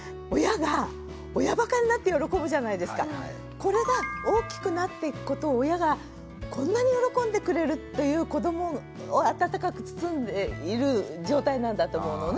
これが大きくなっていくことを親がこんなに喜んでくれるっていう子どもを温かく包んでいる状態なんだと思うのね。